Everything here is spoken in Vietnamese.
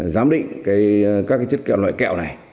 giám định các chất kẹo loại kẹo này